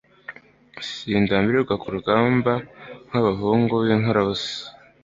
sindambirwa ku rugamba nkabahungu binkorabusa